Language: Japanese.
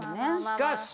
しかし